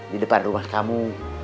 di depan rumah kamu